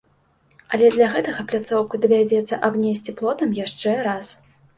Але для гэтага пляцоўку давядзецца абнесці плотам яшчэ раз.